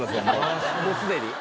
もうすでに？